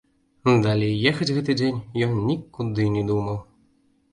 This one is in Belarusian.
Далей ехаць гэты дзень ён нікуды не думаў.